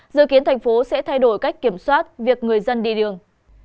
dự kiến tp hcm sẽ thay đổi cách kiểm soát việc người dân đi đường